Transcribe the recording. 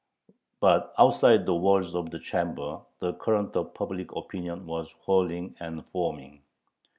But outside the walls of the Chamber the current of public opinion was whirling and foaming.